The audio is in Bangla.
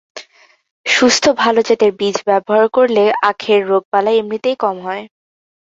সুস্থ ভাল জাতের বীজ ব্যবহার করলে আখের রোগ-বালাই এমনিতেই কম হয়।